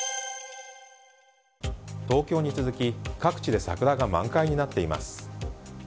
東京に続き各地で桜が満開になっています。